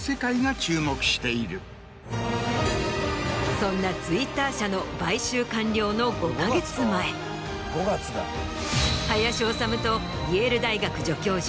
そんなＴｗｉｔｔｅｒ社の買収完了の５か月前林修とイェール大学助教授